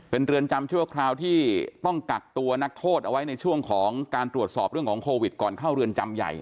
เป็นเรือนจำชั่วคราวที่ต้องกักตัวนักโทษเอาไว้ในช่วงของการตรวจสอบเรื่องของโควิดก่อนเข้าเรือนจำใหญ่